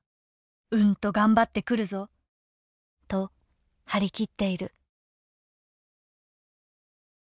うんとがんばって来るぞ』とはり切っている」。